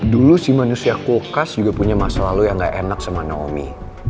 dulu si manusia kulkas juga punya masa lalu yang gak enak sama naomi